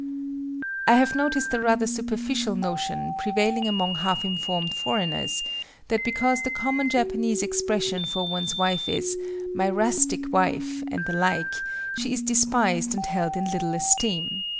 I have noticed a rather superficial notion prevailing among half informed foreigners, that because the common Japanese expression for one's wife is "my rustic wife" and the like, she is despised and held in little esteem.